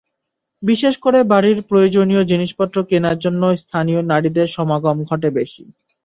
বিশেষ করে বাড়ির প্রয়োজনীয় জিনিসপত্র কেনার জন্য স্থানীয় নারীদের সমাগম ঘটে বেশি।